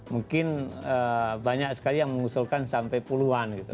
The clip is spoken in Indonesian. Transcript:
mungkin banyak sekali yang mengusulkan sampai puluhan gitu